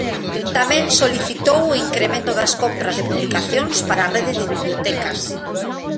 Tamén solicitou o incremento das compras de publicacións para a rede de bibliotecas.